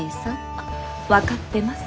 あ分かってます。